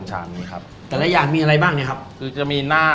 ยังมีอะไรเมนูเด็ดที่คนสั่งบ่อยไหมครับ